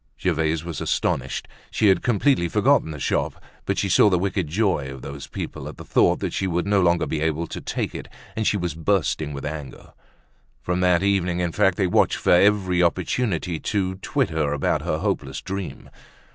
Gervaise was astonished. She had completely forgotten the shop; but she saw the wicked joy of those people, at the thought that she would no longer be able to take it, and she was bursting with anger. From that evening, in fact, they watched for every opportunity to twit her about her hopeless dream.